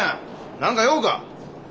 何か用か？